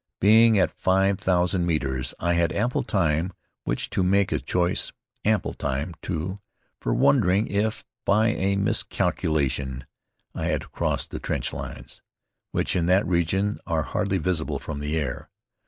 Being at five thousand metres I had ample time in which to make a choice ample time, too, for wondering if, by a miscalculation, I had crossed the trench lines, which in that region are hardly visible from the air.